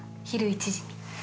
昼１時に。